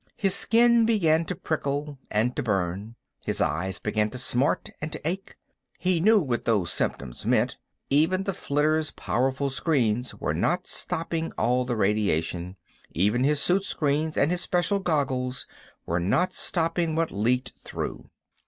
His skin began to prickle and to burn. His eyes began to smart and to ache. He knew what those symptoms meant; even the flitter's powerful screens were not stopping all the radiation; even his suit screens and his special goggles were not stopping what leaked through.